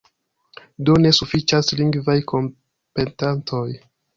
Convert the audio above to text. Do, ne sufiĉas lingvaj kompetentoj.